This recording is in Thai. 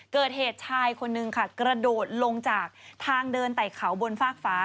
เกิดเหตุชายคนนึงค่ะกระโดดลงจากทางเดินไต่เขาบนฟากฟ้า